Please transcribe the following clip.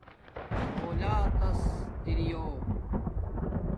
آلاتس درلݸ